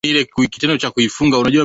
Amechezea takribani timu tatu za taifa